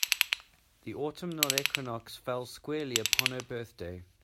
The autumnal equinox fell squarely upon her birthday.